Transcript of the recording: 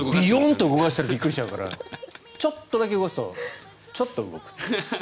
と動かすとびっくりしちゃうからちょっとだけ動かすとちょっと動くという。